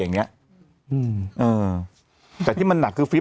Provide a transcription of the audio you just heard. แต่ที่มันหนักคือ